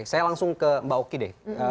saya langsung ke mbak oki deh